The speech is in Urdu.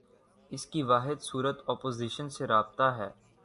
اس کی واحد صورت اپوزیشن سے رابطہ ہے۔